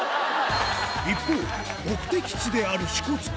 一方、目的地である支笏湖。